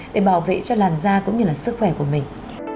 để bảo vệ cho làn da cũng như là sức khỏe của mình